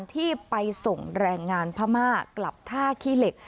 ที่ไปส่งแรงงานพม่ากลับท่าขี้เหล็ก